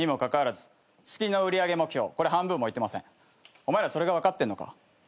お前らそれが分かってんのか？